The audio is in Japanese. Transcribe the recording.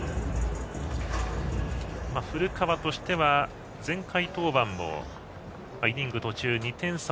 古川としては前回登板をイニング途中２点差